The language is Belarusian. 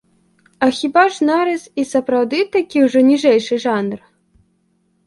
А хіба ж нарыс і сапраўды такі ўжо ніжэйшы жанр?